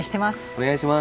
お願いします。